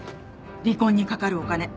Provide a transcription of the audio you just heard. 離婚にかかるお金。